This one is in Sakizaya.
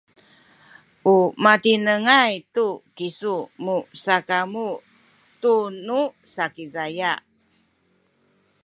u matinengay tu kisu musakamu tunu Sakizaya